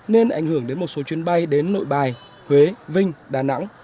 nên ảnh hưởng đến một số chuyến bay đến nội bài huế vinh đà nẵng